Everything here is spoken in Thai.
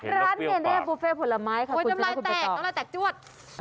ร้านนี้เนี่ยบุฟเฟ่ผลไม้ค่ะคุณจะให้คุณไปตอบอุ้ยน้ำลายแตกน้ำลายแตกจวด